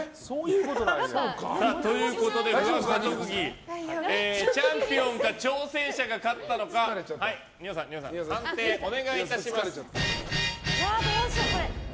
ということで、ふわふわ特技チャンピオンか挑戦者が勝ったのか判定お願いいたします。